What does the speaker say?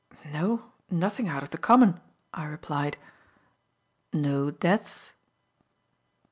"No, nothing out of the common," I replied. "No deaths?"